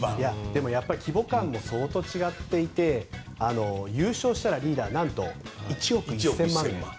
規模感も相当違っていて優勝したらリーダーなんと１億１０００万円。